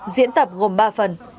diễn tập gồm ba phần